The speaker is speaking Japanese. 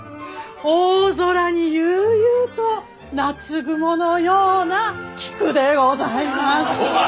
大空に悠々と夏雲のような菊でございます。